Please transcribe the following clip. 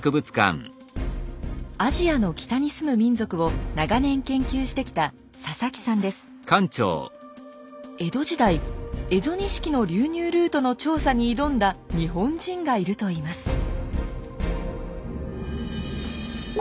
アジアの北に住む民族を長年研究してきた江戸時代蝦夷錦の流入ルートの調査に挑んだ日本人がいるといいます。